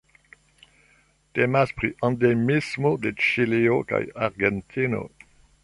Temas pri endemismo de Ĉilio kaj Argentino.